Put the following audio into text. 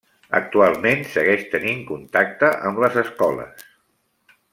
Actualment segueix tenint contacte amb les escoles.